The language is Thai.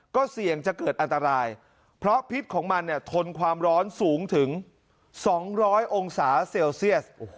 ก็เสี่ยงจะเกิดอันตรายเพราะพิษของมันเนี่ยทนความร้อนสูงถึง๒๐๐องศาเซลเซียส